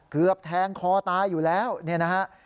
เกือบแทงคอตายอยู่แล้วเนี่ยนะฮะ